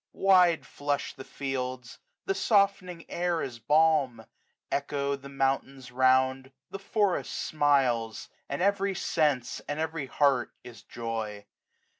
Wide flush the fields ; the softening air is balm; 5 Echo the mountains round; the forest smiles; And every sense, and every heart is joy.